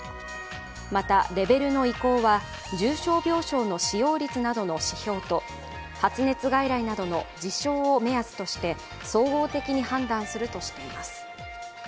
また、レベルの移行は重症病床の使用率などの指標と発熱外来などの事象を目安として総合的に判断するとしています。